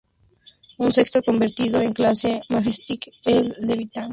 Un sexto convertido en clase "Majestic", el "Leviathan", no fue completado en su totalidad.